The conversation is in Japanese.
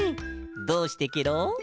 どうしてケロ？